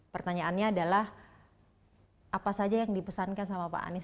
pertanyaannya adalah apa saja yang dipesankan sama pak anies